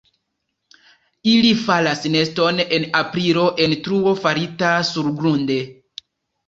Ili faras neston en aprilo en truo farita surgrunde.